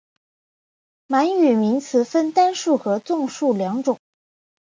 满语名词分成单数和众数两种。